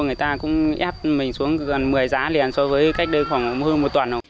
người ta cũng ép mình xuống gần một mươi giá liền so với cách đây khoảng hơn một tuần